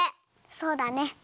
そうだね。